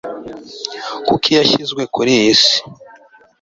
kuki yashyizwe kuri iyi si